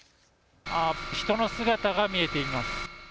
人の姿が見えています。